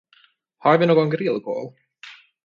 Har vi någon grillkol?